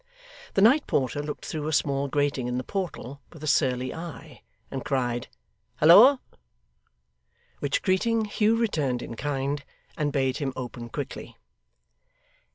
The night porter looked through a small grating in the portal with a surly eye, and cried 'Halloa!' which greeting Hugh returned in kind, and bade him open quickly.